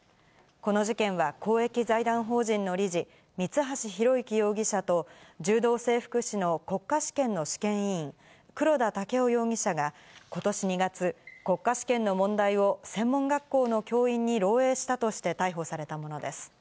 この事件は公益財団法人の理事、三橋裕之容疑者と、柔道整復師の国家試験の試験委員、黒田剛生容疑者が、ことし２月、国家試験の問題を専門学校の教員に漏えいしたとして逮捕されたものです。